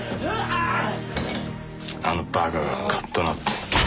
あの馬鹿がカッとなって。